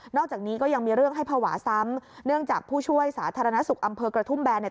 อกจากนี้ก็ยังมีเรื่องให้ภาวะซ้ำเนื่องจากผู้ช่วยสาธารณสุขอำเภอกระทุ่มแบนเนี่ย